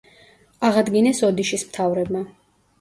აღადგინეს ოდიშის მთავრებმა.